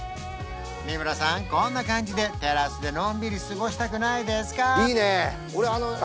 三村さんこんな感じでテラスでのんびり過ごしたくないですか？